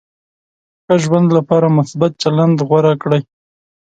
ښه ژوند لپاره مثبت چلند غوره کړئ.